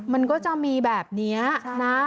มันก็จะมีแบบนี้นะ